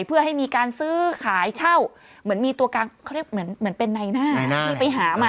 เพื่อให้มีการซื้อขายเช่าเหมือนมีตัวกลางเขาเรียกเหมือนเป็นในหน้าที่ไปหามา